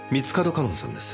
夏音さんです。